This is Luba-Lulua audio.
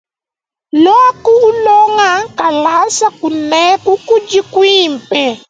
Luaku ulonga kalasa kunueku kudi kuimpe.